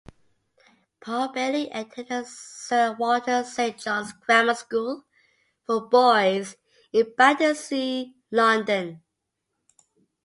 Paul Bailey attended Sir Walter Saint John's Grammar School For Boys in Battersea, London.